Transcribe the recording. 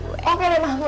oke deh mahmud